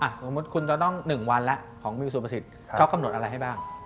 สมมุติคุณจะต้อง๑วันแล้วของมิวสุประสิทธิ์เขากำหนดอะไรให้บ้าง